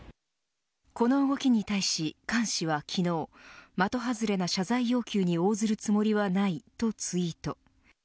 この動きに対し、菅氏は昨日的外れな謝罪要求に応じるつもりはないとツイート。